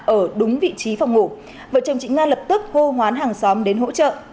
ở đúng vị trí phòng ngủ vợ chồng chị nga lập tức hô hoán hàng xóm đến hỗ trợ